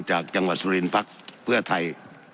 จากจังหวัดสุรินทร์พักเพื่อไทย